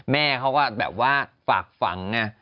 แม่เขาก็แบบว่าฝากฝังไง